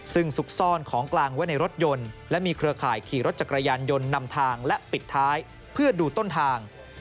ซึ่งซุกซ่อนของกลางไว้ในรถยนต์และมีเครือข่ายขี่รถจักรยานยนต์นำทางและปิดท้ายเพื่อดูต้นทาง